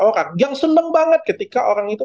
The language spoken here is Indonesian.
orang yang senang banget ketika orang itu